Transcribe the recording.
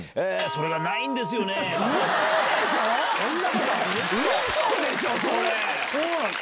「それがないんですよね」と。